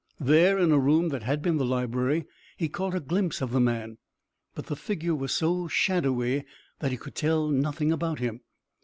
There, in a room that had been the library, he caught a glimpse of the man. But the figure was so shadowy that he could tell nothing about him.